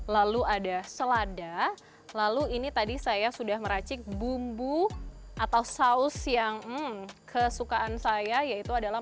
lalu ada selada lalu ini tadi saya sudah meracik bumbu atau saus yang kesukaan saya yaitu adalah